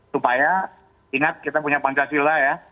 supaya ingat kita punya pancasila ya